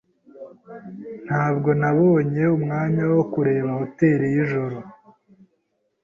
Ntabwo nabonye umwanya wo kureba hoteri yijoro.